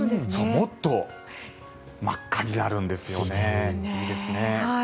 もっと真っ赤になるんですよね。